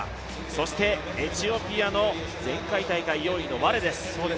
そして、エチオピアの前回大会４位のワレです。